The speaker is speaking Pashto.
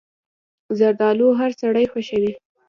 زردالو هر سړی خوښوي.